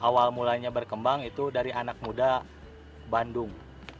awal mulanya berkembang itu dari anak muda bandung